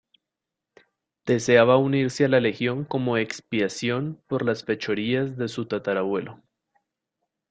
Deseaba unirse a la Legión como expiación por las fechorías de su tatarabuelo.